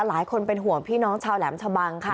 หลายคนเป็นห่วงพี่น้องชาวแหลมชะบังค่ะ